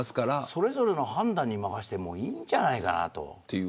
それぞれの判断に任せてもいいんじゃないかなって。